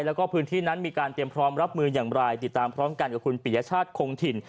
แล้วก็พื้นที่นั้นมีการเตรียมพร้อมรับมืออย่างไรติดตามพร้อมกันกับคุณปิยชาติคงถิ่น